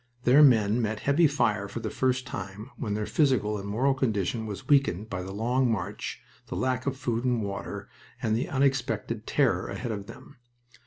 Their men met heavy fire for the first time when their physical and moral condition was weakened by the long march, the lack of food and water, and the unexpected terror ahead of them.